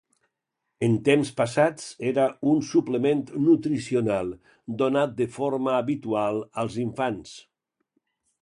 En temps passats era un suplement nutricional donat de forma habitual als infants.